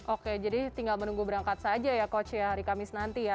oke jadi tinggal menunggu berangkat saja ya coach ya hari kamis nanti ya